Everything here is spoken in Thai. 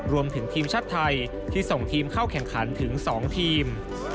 รวมถึงทีมชาติไทยที่ส่งทีมเข้าแข่งขันถึง๒ทีม